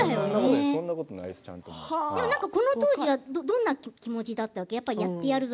このころはどんな気持ちだったの？